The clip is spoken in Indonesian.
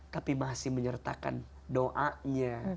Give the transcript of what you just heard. tapi masih menyertakan doanya